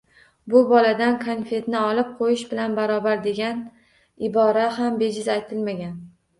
“Bu, boladan konfetini olib qo‘yish bilan barobar”, degan ibora ham bejiz aytilmagan.